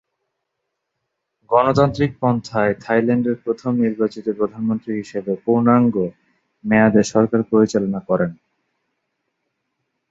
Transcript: গণতান্ত্রিক পন্থায় থাইল্যান্ডের প্রথম নির্বাচিত প্রধানমন্ত্রী হিসেবে পূর্ণাঙ্গ মেয়াদে সরকার পরিচালনা করেন।